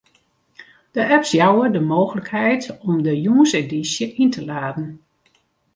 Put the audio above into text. De apps jouwe de mooglikheid om de jûnsedysje yn te laden.